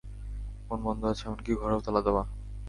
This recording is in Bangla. ফোন বন্ধ আছে এমনকি ঘরেও তালা দেওয়া।